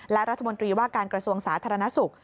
และรัฐมนตรีว่าการกระทรวงสาธารณสุข